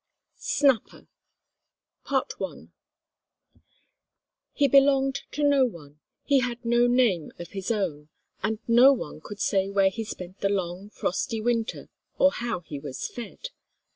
SNAPPER I He belonged to no one, he had no name of his own, and none could say where he spent the long, frosty winter, or how he was fed.